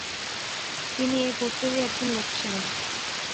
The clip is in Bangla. তিনি এ গোত্রেরই একজন লোক ছিলেন।